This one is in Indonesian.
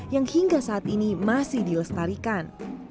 yang hingga saat ini masih dilestarikan